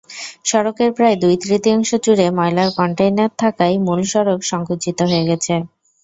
সড়কের প্রায় দুই-তৃতীয়াংশ জুড়ে ময়লার কনটেইনার থাকায় মূল সড়ক সংকুচিত হয়ে গেছে।